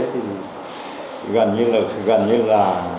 thì gần như là